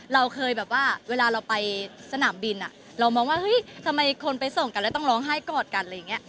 เราเคยแบบว่าเวลาเราไปสนามบินเรามองว่าเฮ้ยทำไมคนไปส่งกันแล้วต้องร้องไห้กอดกันอะไรอย่างนี้